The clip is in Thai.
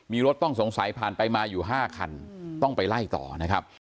มีรถต้องสงสัยผ่านไปมาอยู่๕คันต้องไปไล่ต่อนะครับ